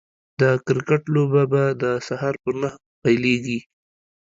د کرکټ لوبه به د سهار په نهه پيليږي